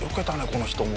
この人も。